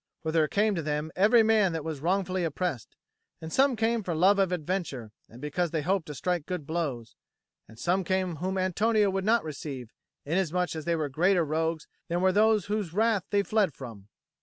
For there came to them every man that was wrongfully oppressed; and some came for love of adventure and because they hoped to strike good blows; and some came whom Antonio would not receive, inasmuch as they were greater rogues than were those whose wrath they fled from.